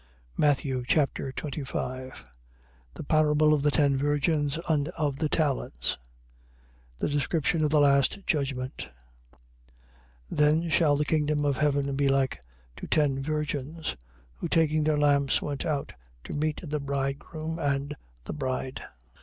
Matthew Chapter 25 The parable of the ten virgins and of the talents. The description of the last judgment. 25:1. Then shall the kingdom of heaven be like to ten virgins, who taking their lamps went out to meet the bridegroom and the bride.